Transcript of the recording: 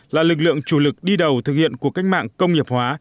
là lực lượng chủ lực đi đầu thực hiện cuộc cách mạng công nghiệp hóa